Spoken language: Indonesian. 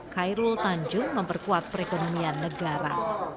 khairul tanjung memperkuat perekonomian negara